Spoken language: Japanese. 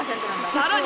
さらに！